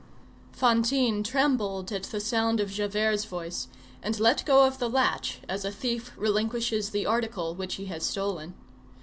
Fantine trembled at the sound of Javert's voice, and let go of the latch as a thief relinquishes the article which he has stolen.